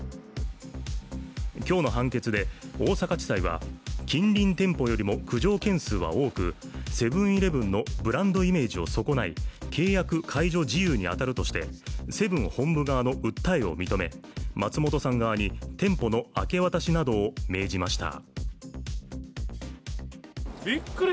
今日の判決で大阪地裁は近隣店舗よりも苦情件数は多くセブン−イレブンのブランドイメージを損ない、契約解除事由に当たるとしてセブン本部側の訴えを認め、松本さん側に店舗の明け渡しなどを命じました。